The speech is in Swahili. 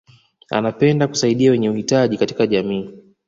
anapenda kusaidia wenye uhitaji katika jamii